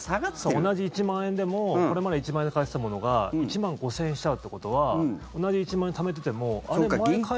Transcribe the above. そう、同じ１万円でもこれまで１万円で買えてたものが１万５０００円しちゃうってことは同じ１万円ためてても。